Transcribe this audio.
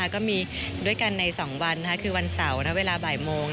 ก็มีด้วยกันใน๒วันคือวันเสาร์เวลาบ่ายโมง